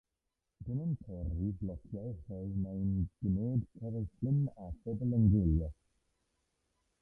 Dyn yn torri blociau rhew neu'n gwneud cerflun a phobl yn gwylio.